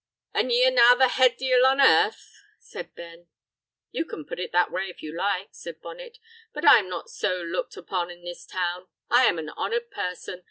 "An' ye are now the head de'il on earth?" said Ben. "You can put it that way, if you like," said Bonnet, "but I am not so looked upon in this town. I am an honoured person.